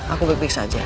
aku baik baik saja